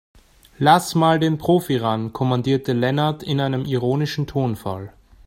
"Lass mal den Profi ran", kommandierte Lennart in einem ironischen Tonfall.